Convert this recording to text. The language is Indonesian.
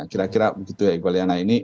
kira kira begitu ya iqbal